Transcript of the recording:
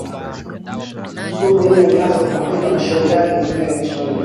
Sugu yeye alianza kwa kuandika mashairi yake mwenyewe ya kiswahili